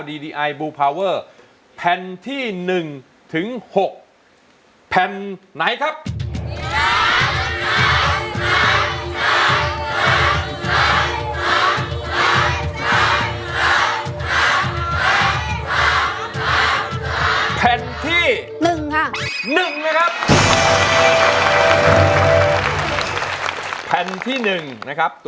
ดีดีไอบูลพาวเวอร์แผ่นที่หนึ่งถึงหกแผ่นไหนครับ